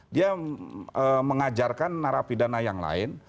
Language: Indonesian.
dia mengajarkan narapidana yang lain